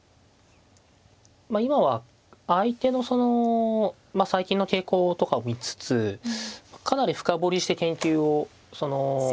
まあ今は相手のその最近の傾向とかを見つつかなり深掘りして研究をしていくことが多いので。